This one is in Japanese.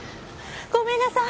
ごめんなさい！